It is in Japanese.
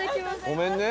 ごめんね。